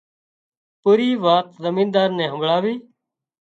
پُورِي وات زمينۮار نين همڀۯاوي